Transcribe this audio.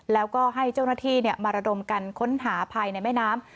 แล้วก็ให้เจ้าหน้าที่มาระดมกันค้นหาภายในแม่น้ำ